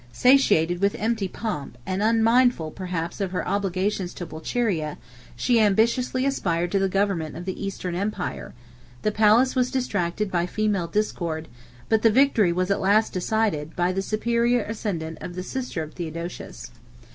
Satiated with empty pomp, and unmindful, perhaps, of her obligations to Pulcheria, she ambitiously aspired to the government of the Eastern empire; the palace was distracted by female discord; but the victory was at last decided, by the superior ascendant of the sister of Theodosius.